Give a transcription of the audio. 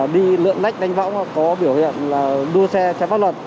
đi lượng lách đánh võng có biểu hiện là đua xe chạy pháp luật